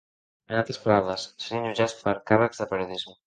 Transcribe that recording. En altres paraules, serien jutjats per càrrecs de periodisme.